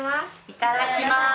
いただきます。